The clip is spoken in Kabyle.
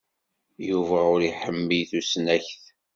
Yuba ur iḥemmel tusnakt.